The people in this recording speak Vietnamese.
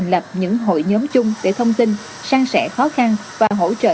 nhằm phục vụ công tác chống dịch của bộ y tế